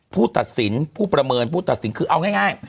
ผู้ตัดสินผู้ประเมินผู้ตัดสินคือเอาง่าย